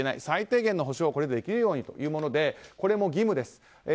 最低限の補償ができるというにというものでこれも義務です。